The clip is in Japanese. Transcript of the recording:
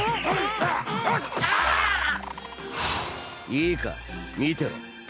いいか見てろ。